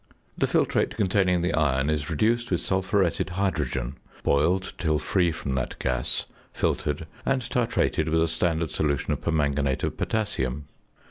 The filtrate containing the iron is reduced with sulphuretted hydrogen, boiled till free from that gas, filtered and titrated with a standard solution of permanganate of potassium.